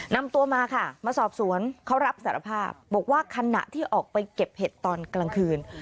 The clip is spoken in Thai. นำตัวมาค่ะมาสอบสวนเขารับสารภาพบอกว่าขณะที่ออกไปเก็บเห็ดตอนกลางคืน